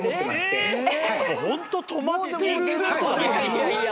いやいや。